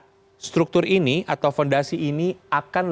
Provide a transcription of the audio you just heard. yang berarti struktur ini atau fondasi ini akan lebih